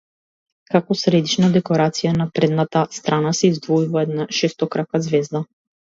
Како средишна декорација на предната страна се издвојува една шестокрака ѕвезда.